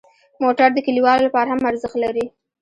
موټر د کلیوالو لپاره هم ارزښت لري.